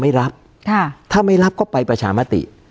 การแสดงความคิดเห็น